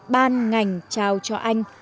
ban ngành trao cho anh